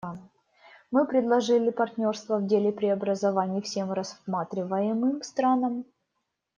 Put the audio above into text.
Мы предложили партнерство в деле преобразований всем рассматриваемым странам.